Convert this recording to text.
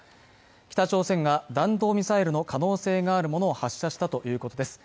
北朝鮮が弾道ミサイルの可能性があるものを発射したということです